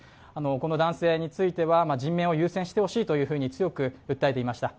この男性については人命を優先してほしいというふうに強く訴えていました。